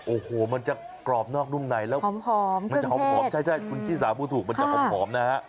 โอ้โหมันจะกรอบนอกนุ่มในแล้วหอมมันจะหอมใช่คุณชิสาพูดถูกมันจะหอมนะฮะ